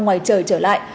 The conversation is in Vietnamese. ngoài trời trở lại